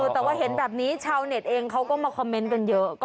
แต่ว่าเห็นแบบนี้ชาวเน็ตเองเขาก็มาคอมเมนต์กันเยอะ